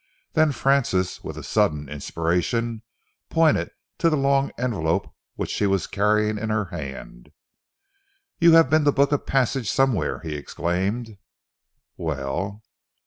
Then Francis, with a sudden inspiration, pointed to the long envelope which she was carrying in her hand. "You have been to book a passage somewhere!" he exclaimed. "Well?"